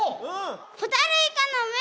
ホタルイカのめ！